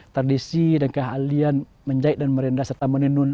tradisi dan keahlian menjahit dan merendah serta menenun